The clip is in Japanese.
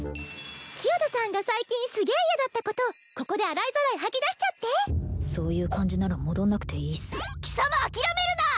千代田さんが最近すげえ嫌だったことをここで洗いざらい吐き出しちゃってそういう感じなら戻んなくていいっす貴様諦めるな！